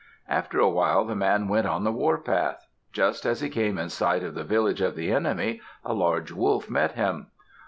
After a while the man went on the warpath. Just as he came in sight of the village of the enemy, a large wolf met him.